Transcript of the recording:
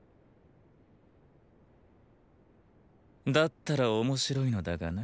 だったら面白いのだがな。